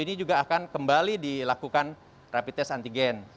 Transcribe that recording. para wni juga akan kembali dilakukan rapid test antigen